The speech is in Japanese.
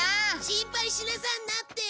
心配しなさんなって。